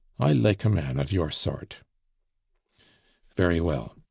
"I like a man of your sort " "Very well.